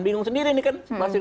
bingung sendiri nih kan